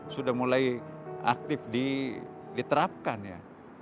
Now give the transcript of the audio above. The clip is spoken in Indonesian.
sudah mulai aktif diterapkan ya